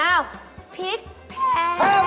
อ้าวพริกแพง